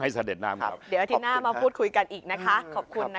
ให้สะเด็ดน้ำเดี๋ยวอาทิตย์หน้ามาพูดคุยกันอีกนะคะขอบคุณนะ